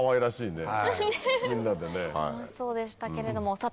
楽しそうでしたけれども。